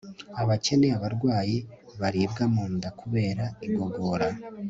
Abakene abarwayi baribwa mu nda kubera igogora